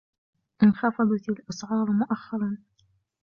انخفضت الأسعار مؤخراً.